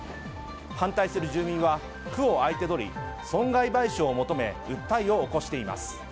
反対する住民は区を相手取り損害賠償を求め訴えを起こしています。